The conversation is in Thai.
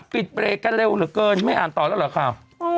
เบรกกันเร็วเหลือเกินไม่อ่านต่อแล้วเหรอข่าว